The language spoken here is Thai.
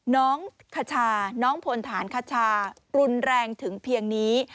น้องคชาน้องพลฐานคชารุนแรงถึงเพียงนี้